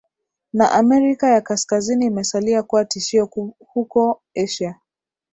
na Amerika ya Kaskazini imesalia kuwa tishio huko Asia